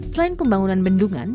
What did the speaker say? selain pembangunan bendungan